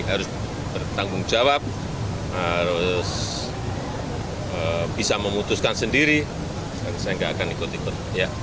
harus bertanggung jawab harus bisa memutuskan sendiri saya nggak akan ikut ikut